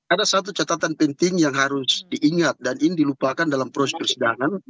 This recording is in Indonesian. ada satu catatan penting yang harus diingat dan ini dilupakan dalam proses persidangan